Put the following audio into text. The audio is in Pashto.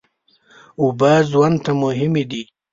اوبه ژوند ته مهمې دي.